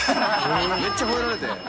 めっちゃほえられて。